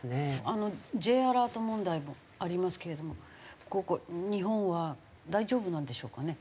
Ｊアラート問題もありますけれども日本は大丈夫なんでしょうかね？